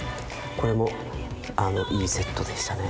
これもいいセットでしたね。